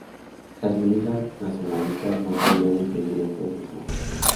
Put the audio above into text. Las milicias nacionalistas no pudieron impedir estos desmanes.